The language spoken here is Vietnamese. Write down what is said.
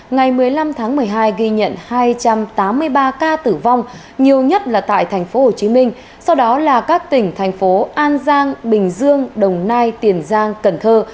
ngày một mươi năm tháng một mươi hai ghi nhận hai trăm tám mươi ba ca tử vong nhiều nhất là tại tp hcm sau đó là các tỉnh thành phố an giang bình dương đồng nai tiền giang cần thơ